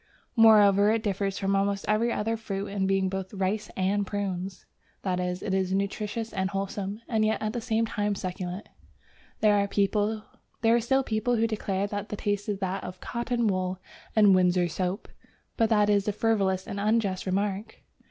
Moreover, it differs from almost every other fruit in being both "rice and prunes," that is, it is nutritious and wholesome, and yet at the same time succulent. There are still people who declare that the taste is that of "cotton wool and Windsor soap," but that is a frivolous and unjust remark.